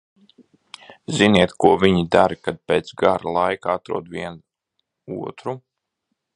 Ziniet, ko viņi dara, kad pēc garā laika atrod vien otru?